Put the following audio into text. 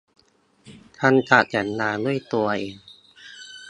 ทำฉากแต่งงานด้วยตัวเอง